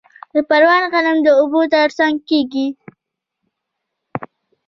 د پروان غنم د اوبو ترڅنګ کیږي.